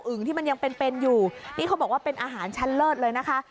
ที่มันยังเป็นเป็นอยู่นี่เขาบอกว่าเป็นอาหารชั้นเลิศเลยนะคะ